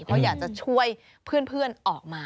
เขาอยากจะช่วยเพื่อนออกมา